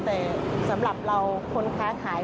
แต่สำหรับเราคนค้าขาย